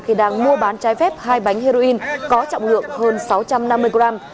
khi đang mua bán trái phép hai bánh heroin có trọng lượng hơn sáu trăm năm mươi gram